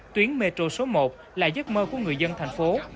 tuyến metro số một là giấc mơ của người dân thành phố